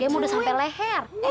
dia mau udah sampai leher